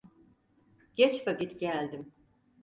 Geç vakit geldim…